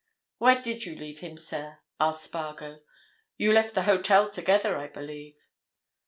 "Where did you leave him, sir?" asked Spargo. "You left the hotel together, I believe?"